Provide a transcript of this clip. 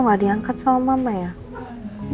gak diangkat sama mama ya